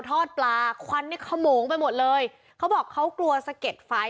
ทอดปลาควันนี่ขโมงไปหมดเลยเขาบอกเขากลัวสะเก็ดไฟ